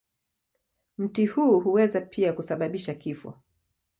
Mti huu huweza pia kusababisha kifo.